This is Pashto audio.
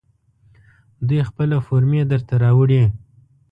دوی خپله فورمې درته راوړي.